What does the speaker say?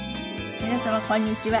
皆様こんにちは。